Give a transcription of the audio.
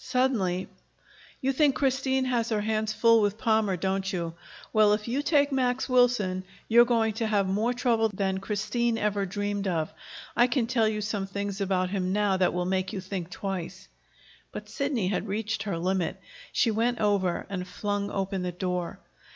Suddenly: "You think Christine has her hands full with Palmer, don't you? Well, if you take Max Wilson, you're going to have more trouble than Christine ever dreamed of. I can tell you some things about him now that will make you think twice." But Sidney had reached her limit. She went over and flung open the door.